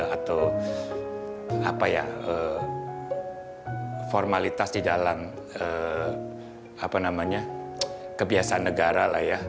atau formalitas di dalam kebiasaan negara